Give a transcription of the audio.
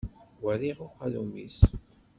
Werriɣ uqadum-is!